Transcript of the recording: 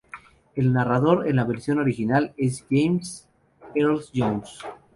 El narrador, en la versión original, es James Earl Jones.